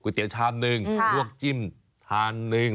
ก๋วยเตี๋ยวชามนึงลวกจิ้มทานนึง